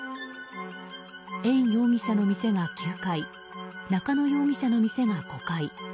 エン容疑者の店が９階中野容疑者の店が５階。